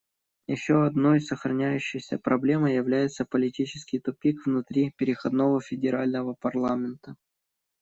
Еще одной сохраняющейся проблемой является политический тупик внутри переходного федерального парламента.